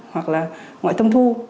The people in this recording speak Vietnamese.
hoặc là ngoại tâm thu